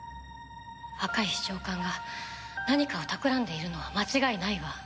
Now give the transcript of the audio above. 赤石長官が何かをたくらんでいるのは間違いないわ。